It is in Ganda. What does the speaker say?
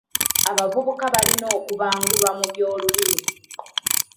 Abavubuka balina okubangulwa mu by'obulimi.